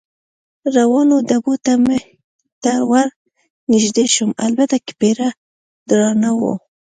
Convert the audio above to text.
روانو ډبو ته ور نږدې شوم، البته که پیره دارانو.